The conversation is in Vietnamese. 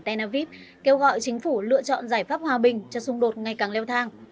tena vip kêu gọi chính phủ lựa chọn giải pháp hòa bình cho xung đột ngày càng leo thang